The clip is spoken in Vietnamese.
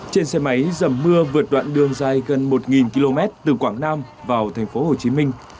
trên xe máy dầm mưa vượt đoạn đường dài gần một km từ quảng nam vào thành phố hồ chí minh